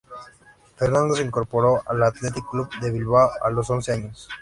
Fernando se incorporó al Athletic Club de Bilbao a los once años.